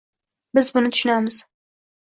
Biz buni tushunamiz